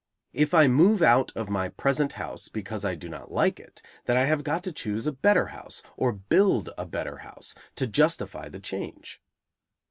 If I move out of my present house because I do not like it, then I have got to choose a better house, or build a better house, to justify the change.